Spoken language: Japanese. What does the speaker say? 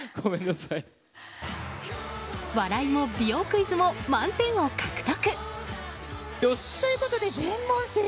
笑いも美容クイズも満点を獲得。